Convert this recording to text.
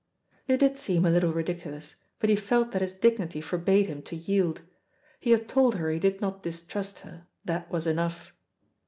It did seem a little ridiculous, but he felt that his dignity forbade him to yield. He had told her he did not distrust her; that was enough.